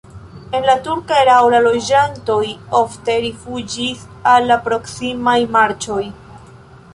En la turka erao la loĝantoj ofte rifuĝis al la proksimaj marĉoj.